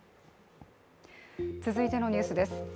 続いてのニュースです。